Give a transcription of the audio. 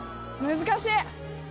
難しい